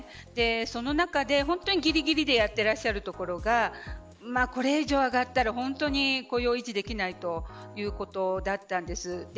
その中で、本当にぎりぎりでやっていらっしゃるところがこれ以上、上がったら本当に雇用を維持できないということだったんです。